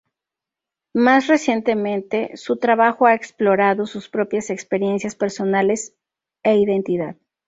Más recientemente, su trabajo ha explorado sus propias experiencias personales e identidad.